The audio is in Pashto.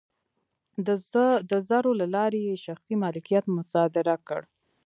د زور له لارې یې شخصي مالکیت مصادره کړ.